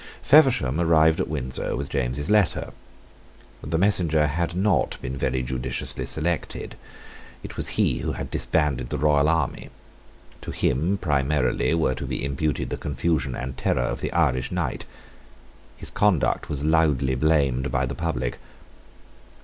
Feversham arrived at Windsor with James's letter. The messenger had not been very judiciously selected. It was he who had disbanded the royal army. To him primarily were to be imputed the confusion and terror of the Irish Night. His conduct was loudly blamed by the public.